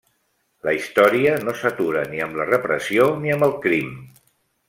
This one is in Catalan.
La història no s'atura ni amb la repressió ni amb el crim.